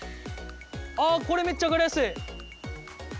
あこれめっちゃ分かりやすい。